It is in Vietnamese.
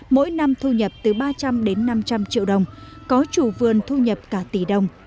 mỗi năm thu nhập từ ba trăm linh đến năm trăm linh triệu đồng có chủ vườn thu nhập cả tỷ đồng